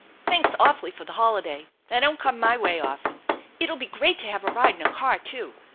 Thanks awfully for the holiday. They don't come my way often. It'll be great to have a ride in a car, too.